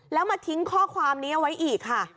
แล้วมาทิ้งข้อความนี้เอาไว้อีกค่ะ